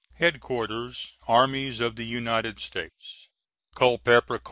HEAD QUARTERS ARMIES OF THE UNITED STATES Culpeper C.